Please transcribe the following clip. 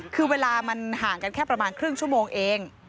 คือเวลามันห่างกันแค่ประมาณครึ่งชั่วโมงเอง